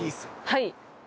はい。